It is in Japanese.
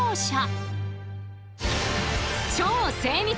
超精密！